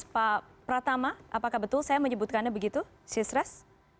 pak pratama apakah betul saya menyebutkannya begitu sisres